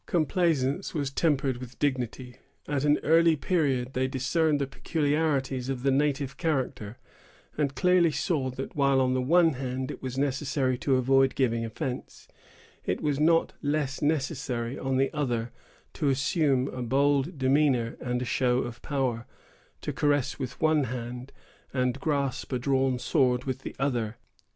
Complaisance was tempered with dignity. At an early period, they discerned the peculiarities of the native character, and clearly saw that while on the one hand it was necessary to avoid giving offence, it was not less necessary on the other to assume a bold demeanor and a show of power; to caress with one hand, and grasp a drawn sword with the other.